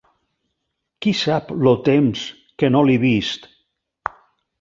Qui-sap-lo temps que no l'he vist!